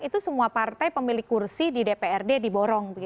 itu semua partai pemilik kursi di dprd diborong